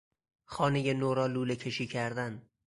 خانهی نو را لوله کشی کردن